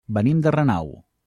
Venim de Renau.